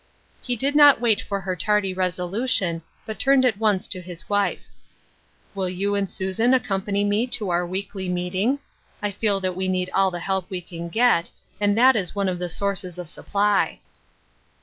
He did not wait for her tardy resolution, but turned at once to his wife ;" Will you and Susan accompany me to our weekly meeting? I feel that we need all the help we can get, and that is one of the sources of supply."